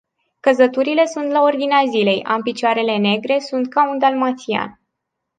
Căzăturile sunt la ordinea zilei, am picioarele negre, sunt ca un dalmațian.